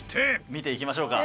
「見ていきましょうか」